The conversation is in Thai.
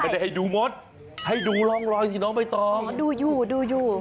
แต่ให้ดูมดให้ดูรองรอยสิน้องไปต่อดูอยู่ดูอยู่